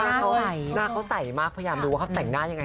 หน้าเขาใสมากพยายามรู้ว่าแต่งหน้ายังไง